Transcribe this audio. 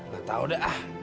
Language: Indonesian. gak tau deh ah